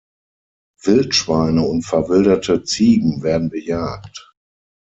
Wildschweine und verwilderte Ziegen werden bejagt.